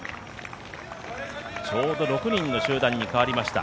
ちょうど６人の集団に変わりました。